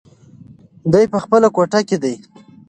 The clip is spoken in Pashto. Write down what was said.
دی په خپله کوټه کې دی.